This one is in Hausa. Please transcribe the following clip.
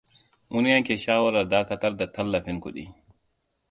Mun yanke shawarar dakatar da tallafin kudi.